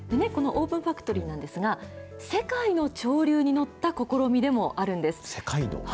このオープンファクトリーなんですが、世界の潮流に乗った試みで世界の？